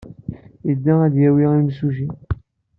Yedda ad d-yawi imsujji.